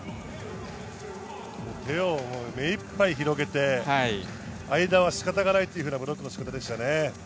手を目いっぱい広げて、間は仕方がないっていうブロックの仕方でしたよね。